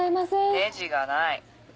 ネジがない。